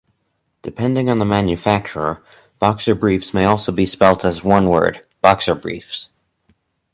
Depending on the manufacturer, boxer briefs may also be spelled as one word: boxerbriefs.